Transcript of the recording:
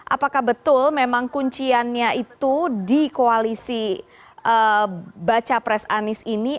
apakah betul memang kunciannya itu di koalisi baca pres anies ini